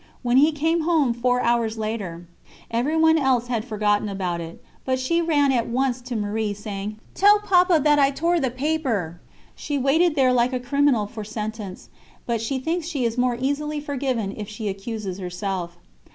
When he came home four hours later, everyone else had forgotten about it, but she ran at once to Marie saying: 'Tell Papa that I tore the paper.' She waited there like a criminal for sentence; but she thinks she is more easily forgiven if she accuses herself."